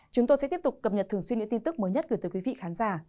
chúng tôi sẽ tiếp tục cập nhật thường xuyên những tin tức mới nhất gửi tới quý vị khán giả